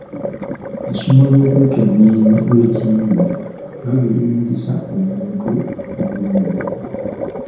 Essomo ly’obwekenneenyi bw’ekiyiiye nga bwe liyinzisa omuntu mu buyiiya.